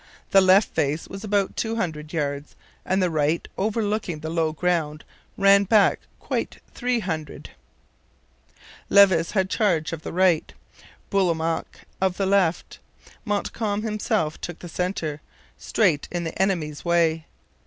The left face was about two hundred yards, and the right, overlooking the low ground, ran back quite three hundred. Levis had charge of the right, Bourlamaque of the left. Montcalm himself took the centre, straight in the enemy's way.